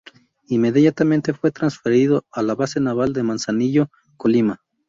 Inmediatamente fue transferido a la Base Naval de Manzanillo, Colima.